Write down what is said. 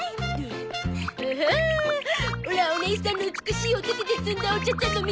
オラおねいさんの美しいお手々で摘んだお茶々飲みたいゾ。